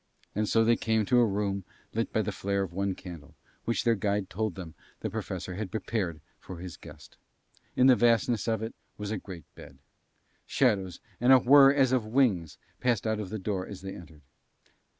And so they came to a room lit by the flare of one candle, which their guide told them the Professor had prepared for his guest. In the vastness of it was a great bed. Shadows and a whir as of wings passed out of the door as they entered.